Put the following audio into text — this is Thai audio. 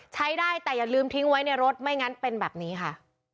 ใช้ได้แต่อย่าลืมทิ้งไว้ในรถไม่งั้นเป็นแบบนี้ค่ะ